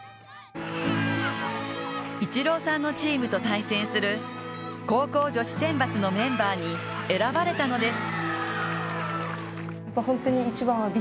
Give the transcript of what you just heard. イチローさんのチームと対戦する高校女子選抜のメンバーに選ばれたのです。